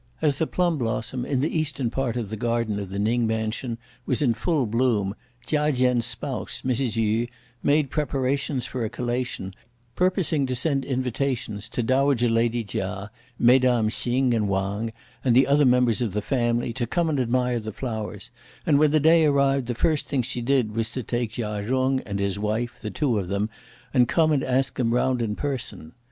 As the plum blossom, in the eastern part of the garden of the Ning mansion, was in full bloom, Chia Chen's spouse, Mrs. Yu, made preparations for a collation, (purposing) to send invitations to dowager lady Chia, mesdames Hsing, and Wang, and the other members of the family, to come and admire the flowers; and when the day arrived the first thing she did was to take Chia Jung and his wife, the two of them, and come and ask them round in person.